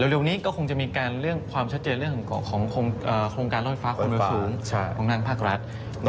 แล้วเร็วนี้ก็คงจะมีความชัดเจนเรื่องของโครงการรอยฟ้าคนเมืองสูงของนางภาครัฐ